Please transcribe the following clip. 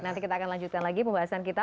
nanti kita akan lanjutkan lagi pembahasan kita